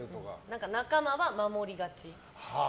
仲間は守りがち。